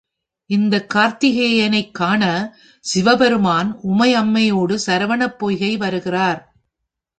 இந்த கார்த்திகேயனைக் காண சிவபெருமான் உமையம்மையோடு சரவணப் பொய்கை வருகிறார்.